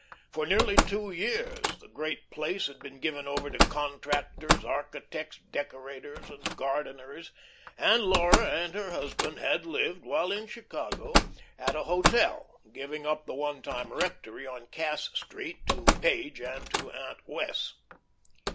For nearly two years the great place had been given over to contractors, architects, decorators, and gardeners, and Laura and her husband had lived, while in Chicago, at a hotel, giving up the one time rectory on Cass Street to Page and to Aunt Wess'.